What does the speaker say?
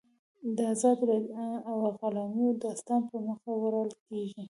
د ازادیو او غلامیو داستان پر مخ وړل کېږي.